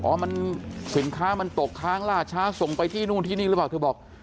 อย่างบอกสินค้ามันตกค้างล่าช้าส่งไปที่นู่นที่นี่หรือเปล่า